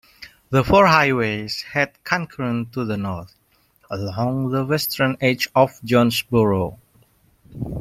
The four highways head concurrent to the north, along the western edge of Jonesboro.